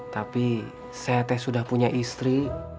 tapi saya teh sudah punya istri